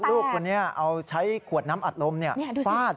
ลูกคนนี้เอาใช้ขวดน้ำอัดลมฟาด